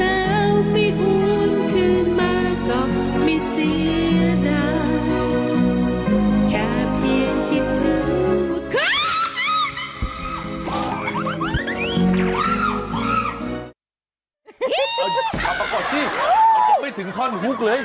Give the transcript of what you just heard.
เอาประกอบสิมันจะไม่ถึงข้อนฮุกเลย